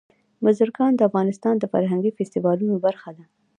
بزګان د افغانستان د فرهنګي فستیوالونو برخه ده.